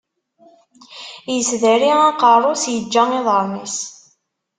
Isdari aqeṛṛu-s, iǧǧa iḍaṛṛen-is.